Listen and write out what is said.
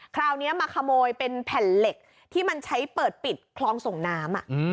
คราวนี้มาขโมยเป็นแผ่นเหล็กที่มันใช้เปิดปิดคลองส่งน้ำ